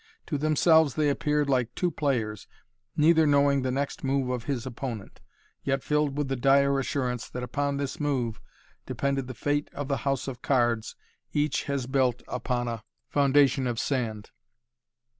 To themselves they appeared like two players, neither knowing the next move of his opponent, yet filled with the dire assurance that upon this move depended the fate of the house of cards each has built upon a foundation of sand.